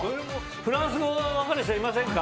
フランス語分かる人いませんか？